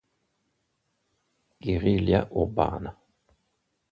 Guerriglia urbana